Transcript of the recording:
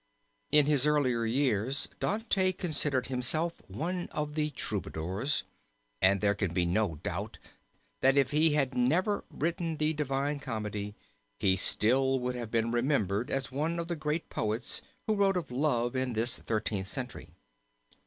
In his earlier years Dante considered himself one of the Troubadours, and there can be no doubt that if he had never written the Divine Comedy, he still would have been remembered as one of the great poets who wrote of love in this Thirteenth Century.